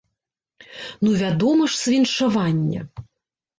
Ну вядома ж, з віншавання!